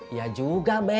iya juga be